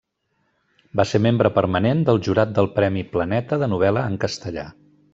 Va ser membre permanent del jurat del premi Planeta de novel·la en castellà.